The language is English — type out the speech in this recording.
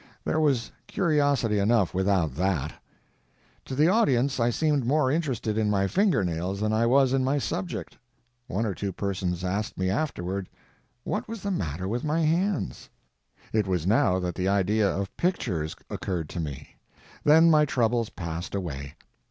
There was curiosity enough without that. To the audience I seemed more interested in my fingernails than I was in my subject; one or two persons asked me afterward what was the matter with my hands. It was now that the idea of pictures occurred to me; then my troubles passed away.